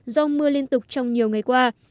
do mưa liên tục trong nhiều ngày qua